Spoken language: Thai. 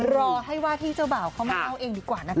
รอให้ว่าที่เจ้าบ่าวเขามาเล่าเองดีกว่านะคะ